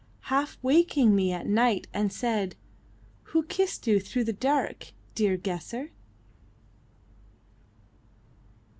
Half waking me at night; and said, ''Who kissed you through the dark, dear guesser?"